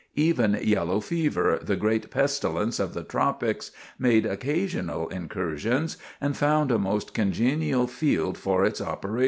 Even "Yellow Fever," the great pestilence of the tropics, made occasional incursions and found a most congenial field for its operations.